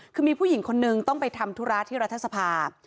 คือมีผู้หญิงคนนึงต้องไปทำธุระที่รัฐสภา